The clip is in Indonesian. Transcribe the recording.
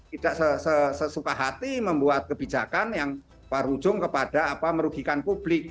tidak sesuka hati membuat kebijakan yang berujung kepada apa merugikan publik